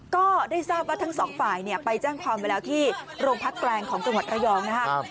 ก็ได้ทราบว่าทั้งสองฝ่ายไปแจ้งความไว้แล้วที่โรงพักแกลงของจังหวัดระยองนะครับ